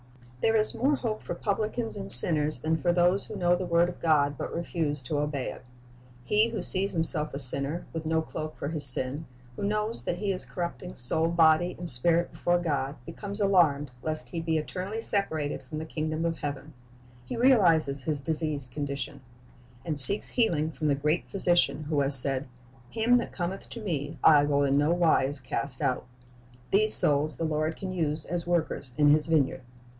There is more hope for publicans and sinners than for those who know the word of God but refuse to obey it. He who sees himself a sinner, with no cloak for his sin, who knows that he is corrupting soul, body, and spirit before God, becomes alarmed lest he be eternally separated from the kingdom of heaven. He realizes his diseased condition, and seeks healing from the great Physician who has said, "Him that cometh to Me, I will in no wise cast out."' These souls the Lord can use as workers in His vineyard.